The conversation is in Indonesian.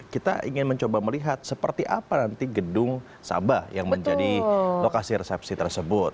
kita ingin mencoba melihat seperti apa nanti gedung sabah yang menjadi lokasi resepsi tersebut